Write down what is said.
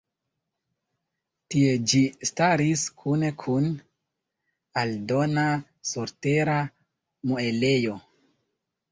Tie ĝi staris kune kun aldona surtera muelejo.